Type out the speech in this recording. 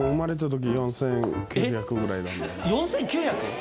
４９００